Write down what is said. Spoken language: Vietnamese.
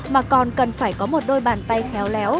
mà còn cần phải có một đôi bàn tay khéo léo